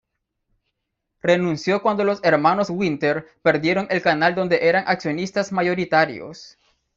Renunció cuando los hermanos Winter perdieron el canal donde eran accionistas mayoritarios.